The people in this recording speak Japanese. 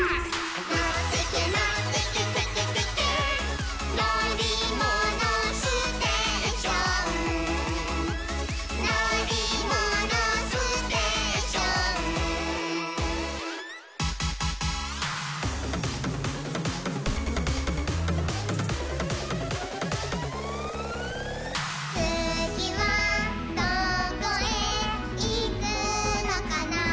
「のってけのってけテケテケ」「のりものステーション」「のりものステーション」「つぎはどこへいくのかな」